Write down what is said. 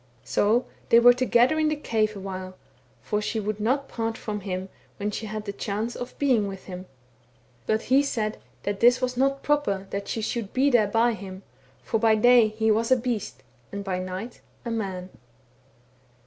So they were together in the cave awhile, for she would not part from him when she had the chance of being with him ; but he said that this was not proper that she should be there by him, for by day he was a beast, and by night a man.